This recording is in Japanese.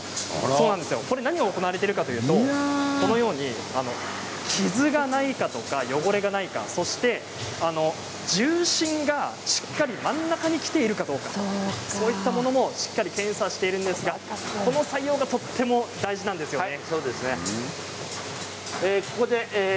何が行われているかというと傷がないかとか汚れがないかそして重心がしっかり真ん中にきているかどうかそういったものも検査しているんですがこの作業がとても大事なんですよね。